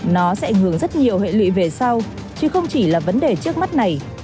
nó sẽ ảnh hưởng rất nhiều hệ lụy về sau chứ không chỉ là vấn đề trước mắt này